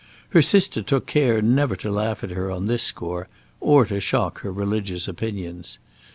Her sister took care never to laugh at her on this score, or to shock her religious opinions.